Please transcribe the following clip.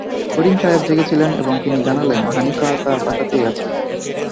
করিম সাহেব জেগে ছিলেন এবং তিনি জানালেন হানিফা তাঁর বাসাতেই আছে।